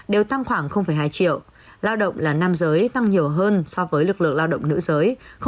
là hai triệu lao động là nam giới tăng nhiều hơn so với lực lượng lao động nữ giới